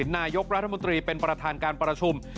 นายกรัฐมนตรีเป็นประธานการประชุม